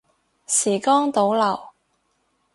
時光倒流